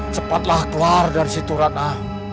cepatlah keluar dari situ ranah